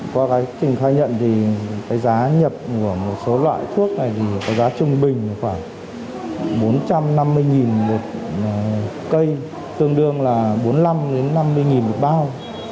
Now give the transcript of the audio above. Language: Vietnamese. qua trình khai nhận thì giá nhập của một số loại thuốc này có giá trung bình khoảng bốn trăm năm mươi một cây tương đương là bốn mươi năm năm mươi một bao